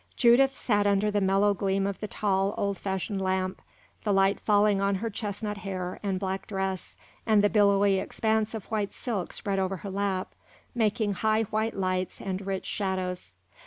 Judith sat under the mellow gleam of the tall, old fashioned lamp, the light falling on her chestnut hair and black dress and the billowy expanse of white silk spread over her lap, making high white lights and rich shadows.